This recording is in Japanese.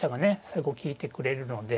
最後利いてくれるので。